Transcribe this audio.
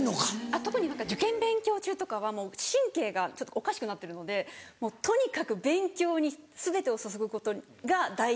特に受験勉強中とかは神経がおかしくなってるのでとにかく勉強に全てを注ぐことが大事。